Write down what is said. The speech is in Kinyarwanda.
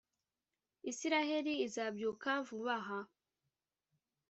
israheli izabyuka vuba aha